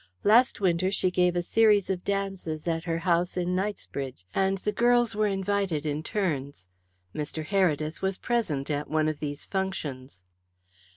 Last winter she gave a series of dances at her house in Knightsbridge, and the girls were invited in turns. Mr. Heredith was present at one of these functions."